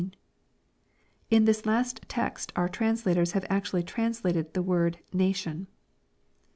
In this last text our translators have actually translated the word "nation."